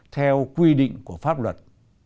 theo quy định của pháp luật